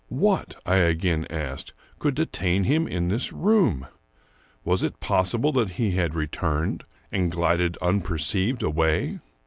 What, I again asked, could detain him in this room? W^as it possible that he had returned, and glided unperceived away?